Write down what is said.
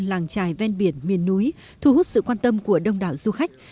làng trài ven biển miền núi thu hút sự quan tâm của đông đảo du khách